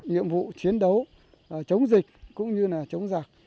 nhiệm vụ chiến đấu chống dịch cũng như là chống giặc